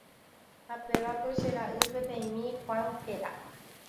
Ha pévako che ra'y peteĩmi Juan héra.